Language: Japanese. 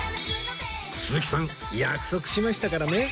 鈴木さん約束しましたからね